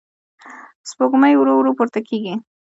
سپوږمۍ ورو ورو پورته کېږي.